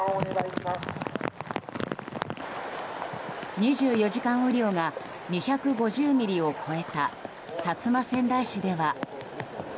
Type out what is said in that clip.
２４時間雨量が２５０ミリを超えた薩摩川内市では。